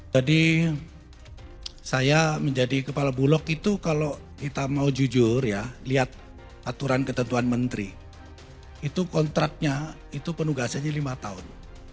jadi saya menjadi kepala bulog itu kalau kita mau jujur ya lihat aturan ketentuan menteri itu kontratnya itu penugasannya lima tahun